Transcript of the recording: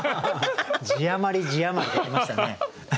字余り字余りで来ましたね。